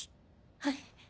はい。